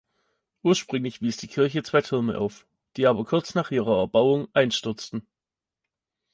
Ursprünglich wies die Kirche zwei Türme auf, die aber kurz nach ihrer Erbauung einstürzten.